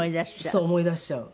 そう思い出しちゃう。